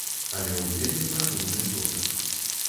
Але ў вельмі прадуманых дозах.